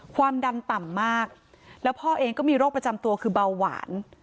ความดันต่ำมากแล้วพ่อเองก็มีโรคประจำตัวคือเบาหวาน